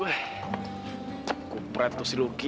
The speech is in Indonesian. aduh jadi air jadi